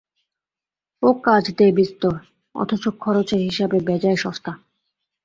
ও কাজ দেয় বিস্তর, অথচ খরচের হিসাবে বেজায় সস্তা।